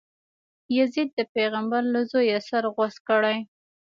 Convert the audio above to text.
یزید د پیغمبر له زویه سر غوڅ کړی.